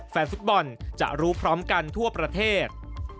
แฟนฟุตบอลจะรู้พร้อมกันทั่วประเทศ